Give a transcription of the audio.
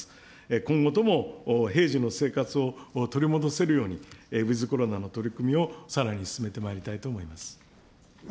今後とも平時の生活を取り戻せるように、ウィズコロナの取り組みをさらに進めてまいりたいと思います。